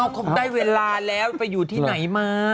คงได้เวลาแล้วไปอยู่ที่ไหนมา